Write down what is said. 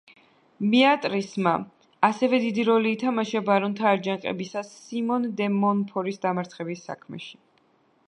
ბეატრისმა ასევე დიდი როლი ითამაშა ბარონთა აჯანყებისას სიმონ დე მონფორის დამარცხების საქმეში.